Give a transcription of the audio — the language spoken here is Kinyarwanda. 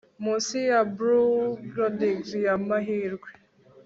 Munsi ya bludgeonings yamahirwe